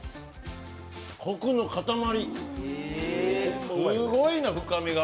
コクの塊、すごいな、深みが。